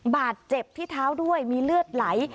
บาดเจ็บที่เท้าด้วยมีเลือดไหล